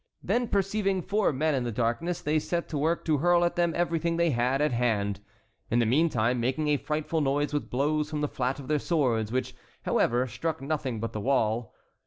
Then perceiving four men in the darkness, they set to work to hurl at them everything they had at hand, in the meantime making a frightful noise with blows from the flat of their swords, which, however, struck nothing but the wall.